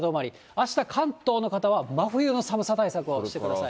あした、関東の方は真冬の寒さ対策をしてください。